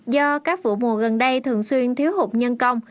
do các vụ mùa gần đây thường xuyên thiếu hụt nhân công